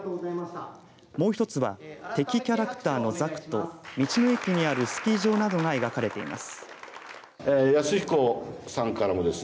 もう一つは敵キャラクターのザクと道の駅にあるスキー場などが描かれています。